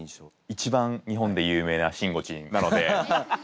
一番日本で有名なしんごちんなので。